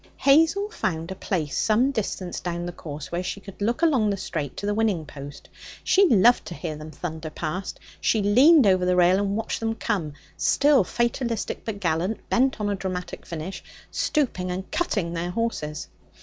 Hazel found a place some distance down the course where she could look along the straight to the winning post; she loved to hear them thunder past. She leaned over the rail and watched them come, still fatalistic, but gallant, bent on a dramatic finish, stooping and 'cutting' their horses.